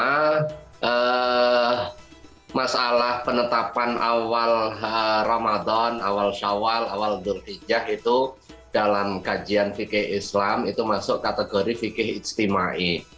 pertama masalah penetapan awal ramadan awal shawwal awal durhijjah itu dalam kajian fikih islam itu masuk kategori fikih istimai